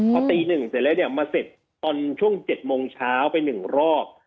พอตี๑เสร็จแล้วเนี่ยมาเสร็จตอนช่วง๗โมงเช้าไป๑รอบ